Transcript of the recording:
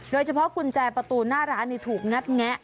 โดยเฉพาะกุญแจประตูหน้าร้านถูกงัดแงะ